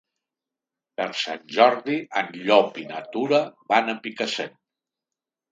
Per Sant Jordi en Llop i na Tura van a Picassent.